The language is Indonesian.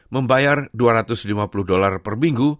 membayar dua ratus lima puluh dolar per minggu